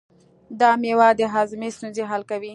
دا مېوه د هاضمې ستونزې حل کوي.